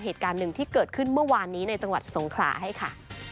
เหตุการณ์หนึ่งที่เกิดขึ้นเมื่อวานนี้ในจังหวัดสงขลาให้ค่ะ